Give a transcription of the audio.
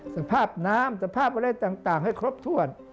สภาพน้ำสภาพอะไรต่างให้ครบถ้วน